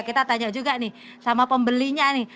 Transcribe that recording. kita tanya juga nih sama pembelinya nih